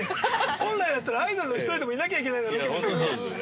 本来だったらアイドルの１人でもいなきゃいけないようなロケですよ。